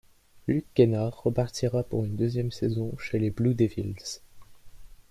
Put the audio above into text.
Luke Kennard repartira pour une deuxième saison chez les Blue Devils.